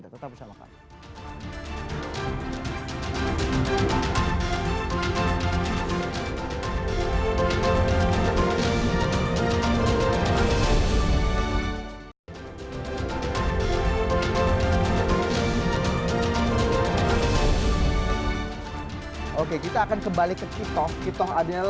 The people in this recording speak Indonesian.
tetap bersama kami